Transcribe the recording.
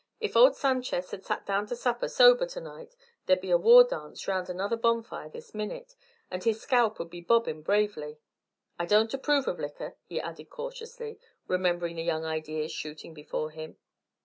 If old Sanchez had set down to supper sober to night, there'd be a war dance round another bonfire this minute, and his scalp 'ud be bobbin' bravely. I don't approve of liquor," he added cautiously, remembering the young ideas shooting before him.